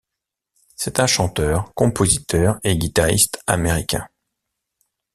C'est un chanteur, compositeur et guitariste américain.